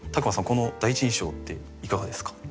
この第一印象っていかがですか？